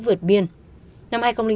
vượt biên năm hai nghìn ba